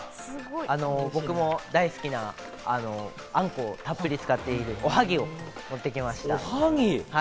僕も大好きなあんこをたっぷり使っているおはぎを持ってきました。